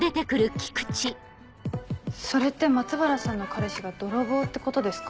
それって松原さんの彼氏が泥棒ってことですか？